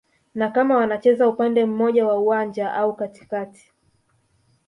na kama wanacheza upande mmoja wa uwanja au katikati